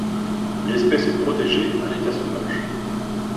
L'espèce est protégée à l'état sauvage.